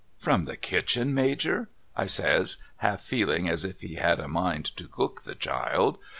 'From the kitchen Major?' I says half feehng as if he had a mind to cook the child.